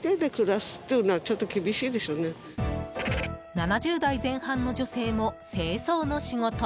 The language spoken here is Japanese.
７０代前半の女性も清掃の仕事。